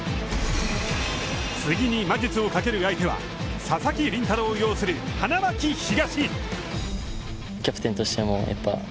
次に魔術をかける相手は佐々木麟太郎擁する花巻東。